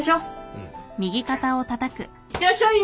うん。いってらっしゃい！